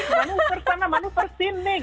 manusur sana manusur sini